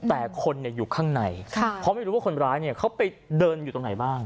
แต่คนอยู่ข้างในเพราะไม่รู้ว่าคนร้ายเนี่ยเขาไปเดินอยู่ตรงไหนบ้าง